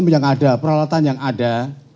yang ada peralatan yang ada